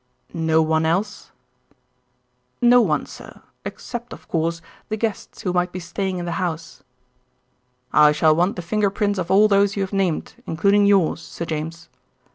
"No one else?" "No one, sir, except, of course, the guests who might be staying in the house." "I shall want the finger prints of all those you have named, including yours, Sir James."